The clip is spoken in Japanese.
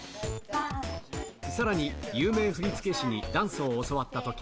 さらに、有名振付師にダンスを教わったとき。